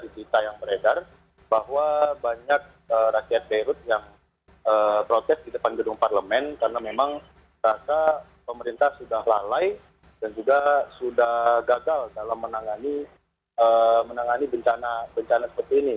di berita yang beredar bahwa banyak rakyat gairut yang protes di depan gedung parlemen karena memang rasa pemerintah sudah lalai dan juga sudah gagal dalam menangani bencana seperti ini